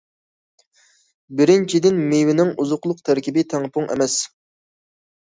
بىرىنچىدىن، مېۋىنىڭ ئوزۇقلۇق تەركىبى تەڭپۇڭ ئەمەس.